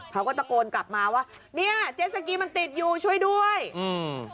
เขาก็ตะโกนกลับมาว่าเนี้ยเจสสกีมันติดอยู่ช่วยด้วยอืม